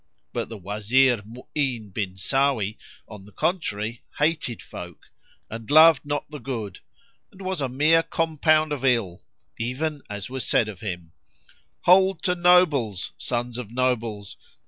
But the Wazir Mu'ín bin Sáwí on the contrary hated folk [FN#4] and loved not the good and was a mere compound of ill; even as was said of him, "Hold to nobles, sons of nobles!